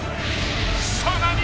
［さらに］